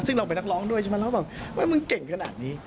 ซึ่งเราเป็นนักร้องด้วยใช่ไหมแล้วผมบอกว่ามันเก่งขนาดนี้